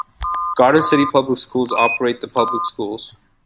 Garden City Public Schools operates the public schools.